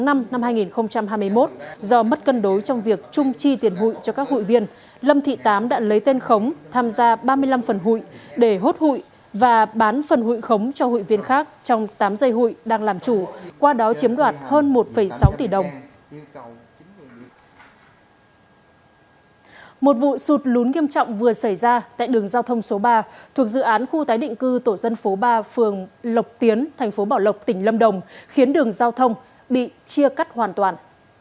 một vụ sụt lún nghiêm trọng vừa xảy ra tại đường giao thông số ba thuộc dự án khu tái định cư tổ dân phố ba phường lộc tiến thành phố bảo lộc tỉnh lâm đồng khiến đường giao thông bị chia cắt hoàn toàn